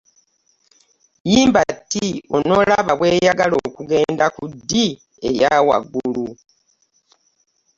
Yimba t onoolaba bw'eyagala okugenda ku d' eya waggulu.